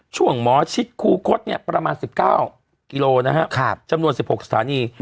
ช่วงหมอชิดครูคดประมาณ๑๙กิโลนะครับจำนวน๑๖สารี